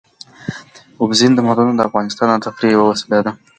اوبزین معدنونه د افغانانو د تفریح یوه وسیله ده.